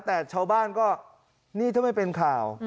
แต่ชาวบ้านก็นี่ถ้าไม่เป็นข่าว